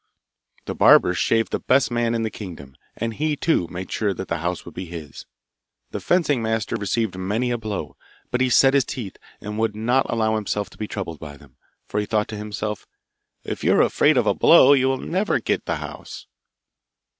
The barber shaved the best men in the kingdom, and he, too, made sure that the house would be his. The fencing master received many a blow, but he set his teeth, and would not allow himself to be troubled by them, for he thought to himself, 'If you are afraid of a blow you will never get the house.